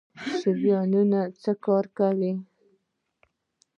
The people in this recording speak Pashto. شریانونه څه کار کوي؟